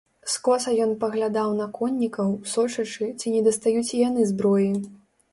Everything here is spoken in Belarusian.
Скоса ён паглядаў на коннікаў, сочачы, ці не дастаюць і яны зброі.